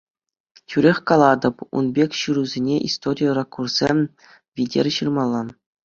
Тӳрех калатӑп, ун пек ҫырусене истори ракурсӗ витӗр ҫырмалла.